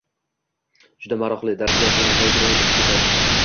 Juda maroqli, darslar sezilmaygina o‘tib ketadi